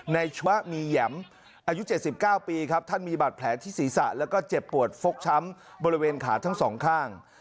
ชวะมีแหยมอายุ๗๙ปีครับท่านมีบาดแผลที่ศีรษะแล้วก็เจ็บปวดฟกช้ำบริเวณขาทั้งสองข้าง